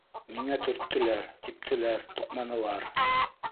Мине төрттөләр, типтеләр, туҡманылар.